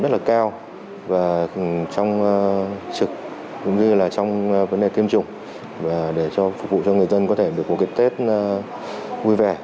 rất là cao trong trực cũng như là trong vấn đề tiêm chủng và để phục vụ cho người dân có thể có kiện tết vui vẻ